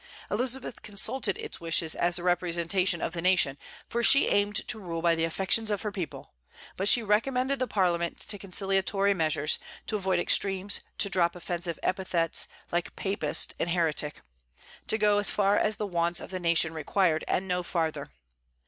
Elizabeth consulted its wishes as the representation of the nation, for she aimed to rule by the affections of her people. But she recommended the Parliament to conciliatory measures; to avoid extremes; to drop offensive epithets, like "papist" and "heretic;" to go as far as the wants of the nation required, and no farther.